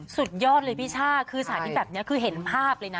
สุดยอดเลยพี่ช่าคือสาธิตแบบนี้คือเห็นภาพเลยนะ